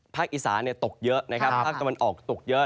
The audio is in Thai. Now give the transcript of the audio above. อีสาตกเยอะนะครับภาคตะวันออกตกเยอะ